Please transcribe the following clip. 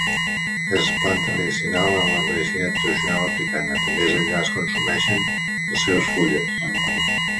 És planta medicinal en la medicina tradicional africana, també allà es consumeixen les seves fulles.